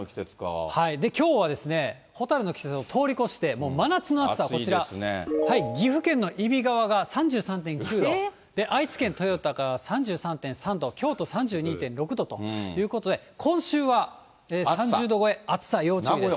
きょうは、蛍の季節を通り越して、もう真夏の暑さ、こちら、岐阜県の揖斐川が３３．９度、愛知県豊田が３３．３度、京都３２．６度ということで、今週は３０度超え、暑さ要注意です。